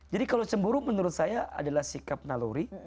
kalau cemburu menurut saya adalah sikap naluri